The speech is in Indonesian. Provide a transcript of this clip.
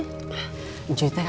kamu kan kenapa pulang